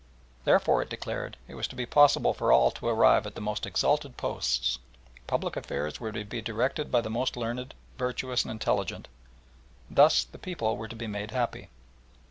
Thenceforth, it declared, it was to be possible for all to arrive at the most exalted posts; public affairs were to be directed by the most learned, virtuous, and intelligent; and thus the people were to be made happy.